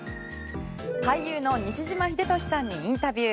俳優の西島秀俊さんにインタビュー。